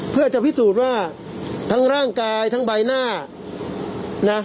เพื่อจะพิสูจน์ว่าทั้งร่างกายทั้งใบหน้านะ